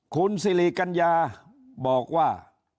คุณสิริกัญญาบอกว่า